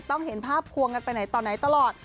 เห็นภาพควงกันไปไหนต่อไหนตลอด